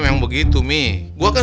memang begitu mi gua kan